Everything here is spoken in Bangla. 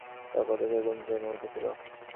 তাঁর পদত্যাগের গুঞ্জনও উঠেছিল।